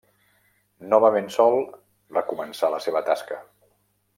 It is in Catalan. Novament sol, recomençà la seva tasca.